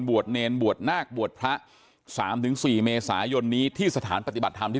เนรบวชนาคบวชพระ๓๔เมษายนนี้ที่สถานปฏิบัติธรรมที่